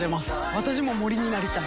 私も森になりたい。